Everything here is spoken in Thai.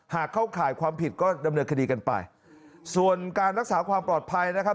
เข้าข่ายความผิดก็ดำเนินคดีกันไปส่วนการรักษาความปลอดภัยนะครับ